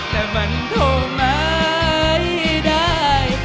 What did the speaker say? แต่มันโทรมาไม่ได้